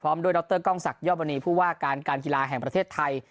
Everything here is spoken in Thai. ด้วยดรกล้องศักดิยอดมณีผู้ว่าการการกีฬาแห่งประเทศไทย